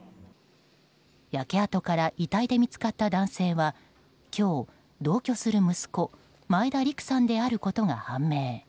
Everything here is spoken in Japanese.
焼け跡から遺体で見つかった男性は今日、同居する息子前田陸さんであることが判明。